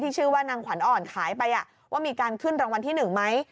ที่ชื่อว่านางขวานอ่อนขายไปอ่ะว่ามีการขึ้นรางวัลที่หนึ่งไหม